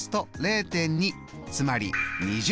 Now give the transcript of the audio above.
つまり２０％。